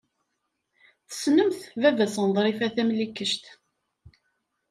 Tessnemt baba-s n Ḍrifa Tamlikect.